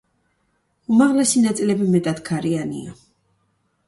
უმაღლესი ნაწილები მეტად ქარიანია.